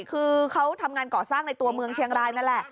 คือเขาทำงานก่อสร้างในตัวเมืองเชียงรายนั่นแหละ